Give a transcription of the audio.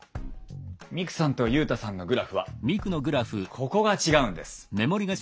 ミクさんとユウタさんのグラフはここが違うんです。